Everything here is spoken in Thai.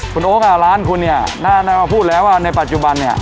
คุณโอ๊คร้านคุณเนี่ยน่าจะมาพูดแล้วว่าในปัจจุบันเนี่ย